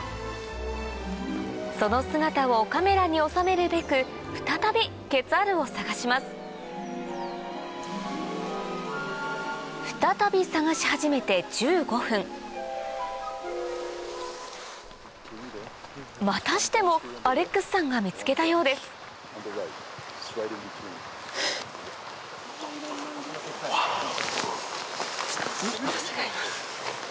その姿をカメラに収めるべく再びケツァールを探します再び探し始めて１５分またしてもアレックスさんが見つけたようですわお。